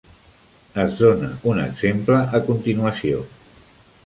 Es dóna un exemple a continuació.